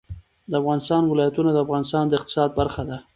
د افغانستان ولايتونه د افغانستان د اقتصاد برخه ده.